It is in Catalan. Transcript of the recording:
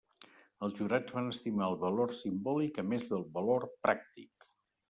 Els jurats van estimar el valor simbòlic a més del valor pràctic.